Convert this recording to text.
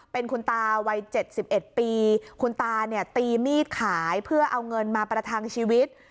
เป็นคุณตาวัย๗๑ปีคุณตาเนี่ยตีมีดขายเพื่อเอาเงินมาประทังชีวิต